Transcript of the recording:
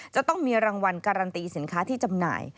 จะต้องมีรางวัลการันตีสินค้าที่จำหน่าย